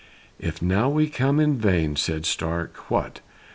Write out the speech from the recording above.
"If now we come in vain," said Stark, "What!